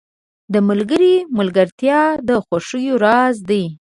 • د ملګري ملګرتیا د خوښیو راز دی.